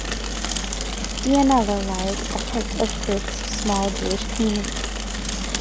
Dianella lies at the heart of Perth's small Jewish community.